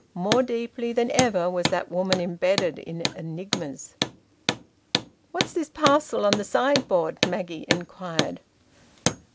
More deeply than ever was that woman embedded in enigmas. "What's this parcel on the sideboard?" Maggie inquired. "Oh!